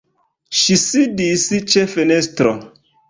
Ŝi sidis ĉe fenestro.